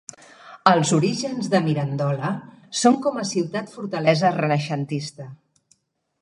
Els orígens de Mirandola són com a ciutat-fortalesa renaixentista.